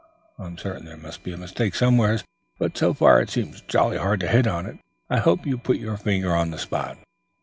I'm certain there must be a mistake somewhere, but so far it seems jolly hard to hit on it. I hope you'll put your finger on the spot."